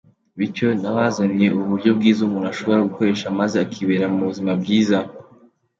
Bityo nabazaniye ubu buryo bwiza umuntu ashobora gukoresha maze akibera mu buzima bwiza.